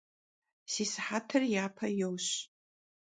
Si sıhetır yape yoş.